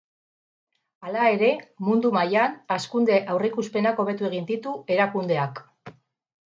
Hala ere, mundu mailan, hazkunde aurreikuspenak hobetu egin ditu erakundeak.